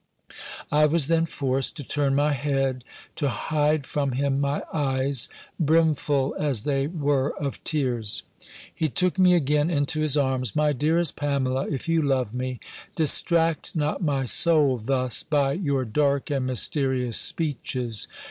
I was then forced to turn my head, to hide from him my eyes, brimful as they were of tears. He took me again into his arms: "My dearest Pamela, if you love me, distract not my soul thus, by your dark and mysterious speeches.